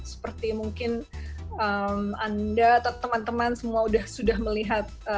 seperti mungkin anda atau teman teman semua sudah melihat